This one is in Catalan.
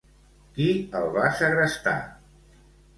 Qui el va segrestar?